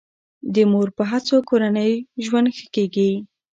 د مور په هڅو کورنی ژوند ښه کیږي.